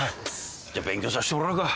じゃ勉強させてもらうか。